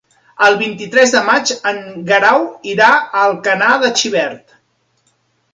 El vint-i-tres de maig en Guerau irà a Alcalà de Xivert.